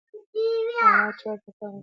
عامه چارو ته باید پاملرنه وشي.